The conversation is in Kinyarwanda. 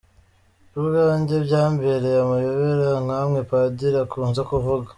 Ku bwanjye byambereye amayobera nkamwe padiri akunze kuvuga.